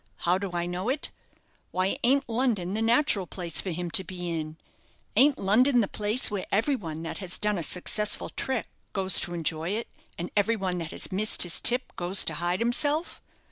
"How do I know it? Why, ain't London the natural place for him to be in? Ain't London the place where every one that has done a successful trick goes to enjoy it, and every one that has missed his tip goes to hide himself?